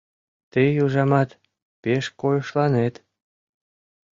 — Тый, ужамат, пеш койышланет.